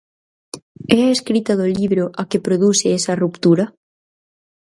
É a escrita do libro a que produce esa ruptura?